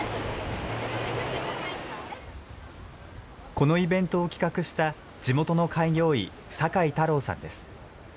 このイベントを企画した地元の開業医、酒井太郎さんです。